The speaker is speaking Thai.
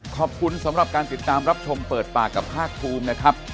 ขอบคุณสำหรับการติดตามรับชมเปิดปากกับภาคภูมินะครับ